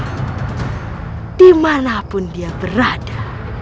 hai dimanapun dia berada